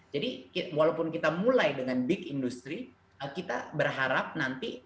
jadi walaupun kita mulai dengan big industry kita berharap nanti